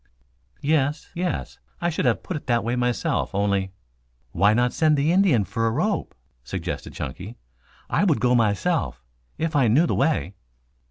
"Yes, yes. I should have put it that way myself only " "Why not send the Indian for a rope?" suggested Chunky. "I would go myself if I knew the way."